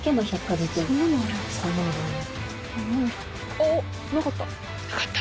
あっなかった？